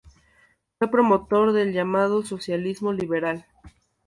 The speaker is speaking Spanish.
Fue promotor del llamado socialismo liberal.